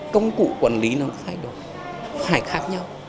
công cụ quản lý nó thay đổi phải khác nhau